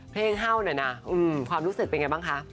เห่าหน่อยนะความรู้สึกเป็นไงบ้างคะ